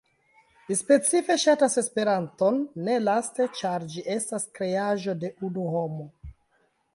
Li "specife ŝatas Esperanton", ne laste, ĉar ĝi estas kreaĵo de unu homo.